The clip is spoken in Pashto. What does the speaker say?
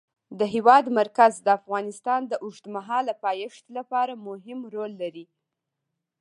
د هېواد مرکز د افغانستان د اوږدمهاله پایښت لپاره مهم رول لري.